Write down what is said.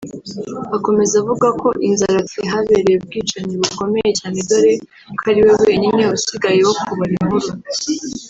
Akomeza avuga ko i Nzaratsi habereye ubwicanyi bukomeye cyane dore ko ari we wenyine wasigaye wo kubara inkuru